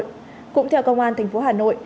cũng theo công an thành phố hà nội